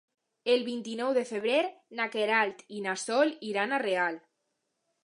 El vint-i-nou de febrer na Queralt i na Sol iran a Real.